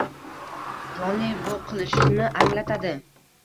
Jonli - bu qilishni anglatadi.